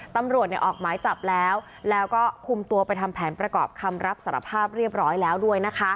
ตำรวจออกหมายจับแล้วแล้วก็คุมตัวไปทำแผนประกอบคำรับสารภาพเรียบร้อยแล้วด้วยนะคะ